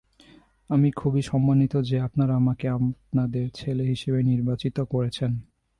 আমি খুবই সম্মানিত যে আপনারা আমাকে আপনাদের ছেলে হিসেবে নির্বাচিত করেছেন।